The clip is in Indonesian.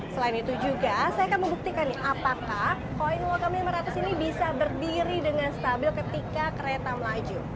selain itu juga saya akan membuktikan apakah koin wotam lima ratus ini bisa berdiri dengan stabil ketika kereta melaju